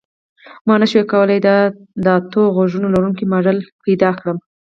ما نشوای کولی د اتو غوږونو لرونکی ماډل پیدا کړم